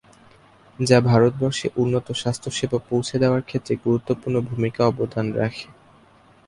যা ভারতবর্ষে উন্নত স্বাস্থ্যসেবা পৌছে দেওয়ার ক্ষেত্রে গুরুত্বপূর্ণ ভূমিকা অবদান রাখে।